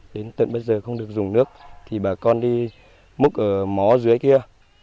đến tận bây giờ không được dùng nước thì bà con đi múc ở mó dưới kia